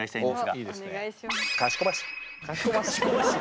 かしこまし！